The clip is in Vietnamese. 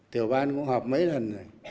tiểu ban cũng họp mấy lần rồi